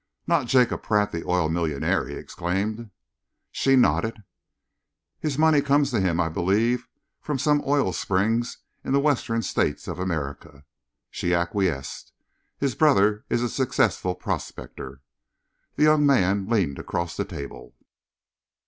"Not Jacob Pratt, the oil millionaire?" he exclaimed. She nodded. "His money comes to him, I believe, from some oil springs in the western States of America," she acquiesced. "His brother is a successful prospector." The young man leaned across the table.